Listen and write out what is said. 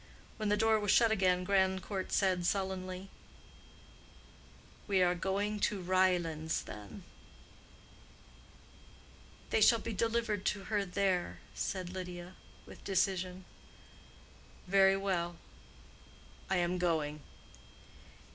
When the door was shut again Grandcourt said sullenly, "We are going to Ryelands then." "They shall be delivered to her there," said Lydia, with decision. "Very well, I am going."